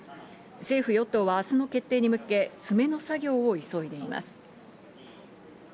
政府・与党は明日の決定に向け詰めの作業を急いでいます。